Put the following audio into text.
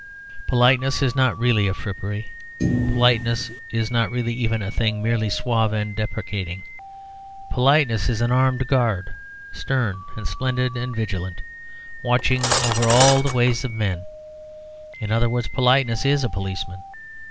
Politeness is not really a frippery. Politeness is not really even a thing merely suave and deprecating. Politeness is an armed guard, stern and splendid and vigilant, watching over all the ways of men; in other words, politeness is a policeman.